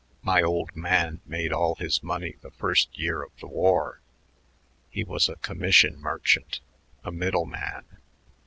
My old man made all his money the first year of the war. He was a commission merchant, a middleman.